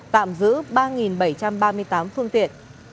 tạm giữ ba bảy trăm ba mươi tám phương tiện